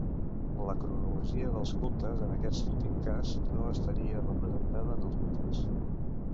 La cronologia dels cultes, en aquest últim cas, no estaria representada en els mites.